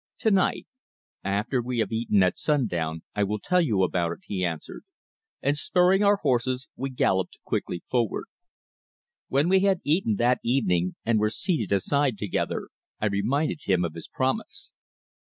"To night. After we have eaten at sundown I will tell you about it," he answered, and spurring our horses we galloped quickly forward. When we had eaten that evening and were seated aside together, I reminded him of his promise.